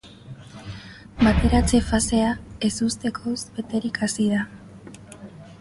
Bateratze fasea ezustekoz beterik hasi da.